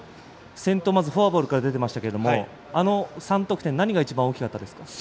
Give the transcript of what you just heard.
先頭フォアボールから出ていましたけれどもあの３得点何が一番大きかったですか。